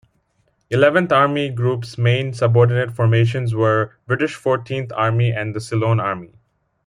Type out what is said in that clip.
Eleventh Army Group's main subordinate formations were British Fourteenth Army and the Ceylon Army.